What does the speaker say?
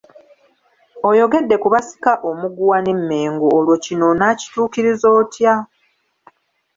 Oyogedde ku basika omuguwa ne Mengo olwo kino onaakituukiriza otya?